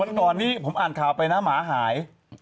ก่อนนี้ผมอ่านข่าวไปนะหมาหาย